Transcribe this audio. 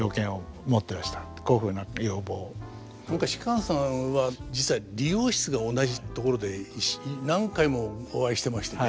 芝さんは実は理容室が同じところで何回もお会いしてましてね。